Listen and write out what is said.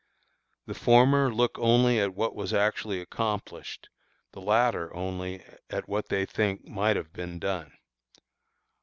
The former look only at what was actually accomplished, the latter only at what they think might have been done.